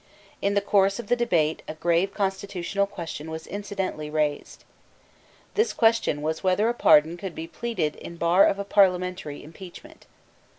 In the course of the debate a grave constitutional question was incidentally raised. This question was whether a pardon could be pleaded in bar of a parliamentary impeachment.